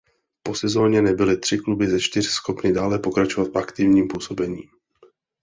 Po sezóně nebyly tři kluby ze čtyř schopny dále pokračovat v aktivním působením.